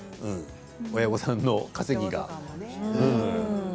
親御さんの稼ぎがね